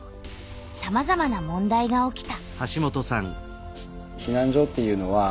さまざまな問題が起きた。